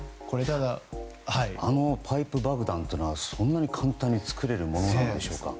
あのパイプ爆弾というのはそんなに簡単に作れるものなんでしょうか。